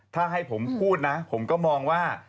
ถ้าให้ผมพูดนะผมก็มองว่า